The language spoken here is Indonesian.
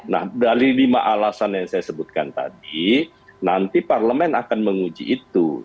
nah dari lima alasan yang saya sebutkan tadi nanti parlemen akan menguji itu